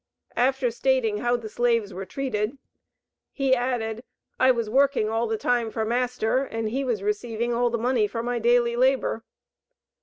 After stating how the slaves were treated he added, "I was working all the time for master and he was receiving all my money for my daily labor."